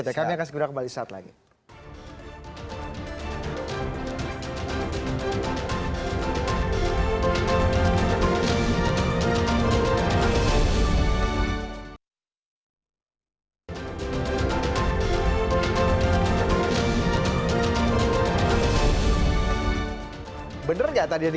saya melihat kpu era ini